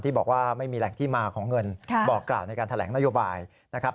บอกว่าไม่มีแหล่งที่มาของเงินบอกกล่าวในการแถลงนโยบายนะครับ